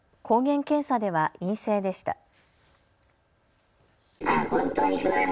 抗原検査では陰性でした。